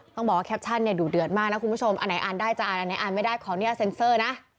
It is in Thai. ต้องบอกว่าแคปชั่นเนี่ยดูเดือดมากนะคุณผู้ชมอันไหนอ่านได้จะอ่านอันไหนอ่านไม่ได้ขออนุญาตเซ็นเซอร์นะ